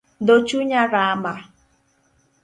Dho chunya rama